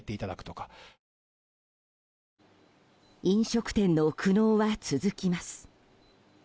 飲食店の苦悩は続きます。